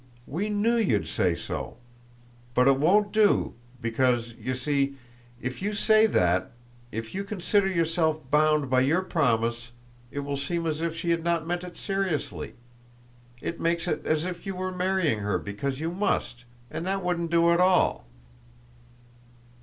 We knew you'd say so. But it won't do, because you see, if you say that—if you consider yourself bound by your promise—it will seem as if she had not meant it seriously. It makes it as if you were marrying her because you must, and that wouldn't do at all."